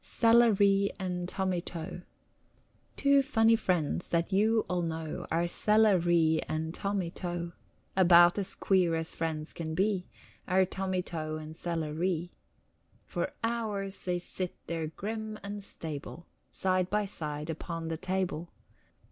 CELLA REE AND TOMMY TO Two funny friends that you all know Are Cella Ree and Tommy To. About as queer as friends can be, Are Tommy To and Cella Ree. For hours they sit there grim and stable Side by side upon the table.